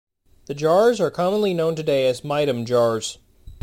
The jars are commonly known today as Maitum jars.